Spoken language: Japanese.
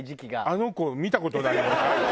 あの子を見た事ないもん最近。